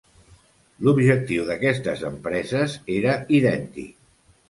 L'objectiu d'aquestes empreses era idèntic.